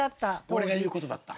俺が言うことだった！